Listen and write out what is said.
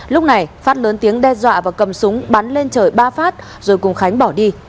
lúc này phát lớn tiếng đe dọa và cầm súng bắn lên trời ba phát rồi cùng khánh bỏ đi